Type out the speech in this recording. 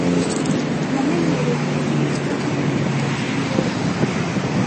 Namenyereye kurya ibiryo nkibi fabien niwe wabivuze